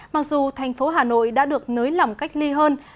mặc dù thành phố hà nội đã được nới lỏng cách ly hơn